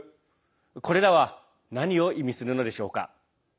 これらは何を意味するのでしょうか。